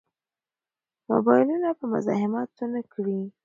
موبایلونه به مزاحمت ونه کړي.